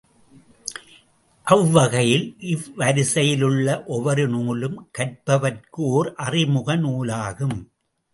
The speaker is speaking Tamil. அவ்வகையில் இவ்வரிசையிலுள்ள ஒவ்வொரு நூலும் கற்பவர்க்கு ஒர் அறிமுகநூலாகும்.